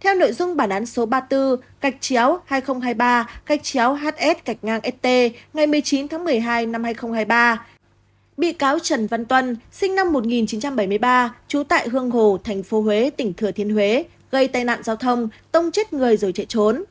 theo nội dung bản đán số ba mươi bốn hai nghìn hai mươi ba hs st ngày một mươi chín một mươi hai hai nghìn hai mươi ba bị cáo trần văn tuân sinh năm một nghìn chín trăm bảy mươi ba trú tại hương hồ thành phố huế tỉnh thừa thiên huế gây tai nạn giao thông tông chết người rồi chạy trốn